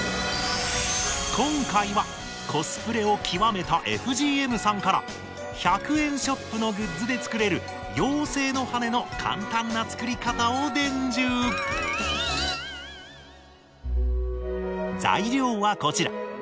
今回はコスプレを究めたＦＧＭさんから１００円ショップのグッズで作れる妖精の羽根の簡単な作り方を伝授材料はこちら。